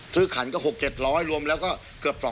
ขันก็๖๗๐๐รวมแล้วก็เกือบ๒๐๐